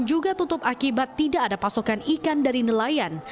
juga tutup akibat tidak ada pasokan ikan dari nelayan